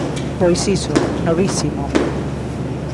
Pois iso: novísimo.